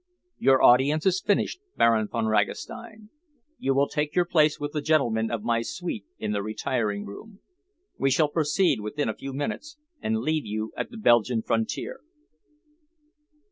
Your audience is finished, Baron Von Ragastein. You will take your place with the gentlemen of my suite in the retiring room. We shall proceed within a few minutes and leave you at the Belgian frontier."